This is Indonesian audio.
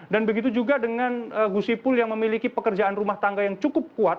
dan begitu juga dengan gus ipul yang memiliki pekerjaan rumah tangga yang cukup kuat